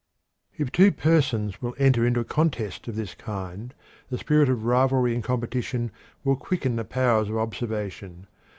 If two persons will enter into a contest of this kind, the spirit of rivalry and competition will quicken the powers of observation.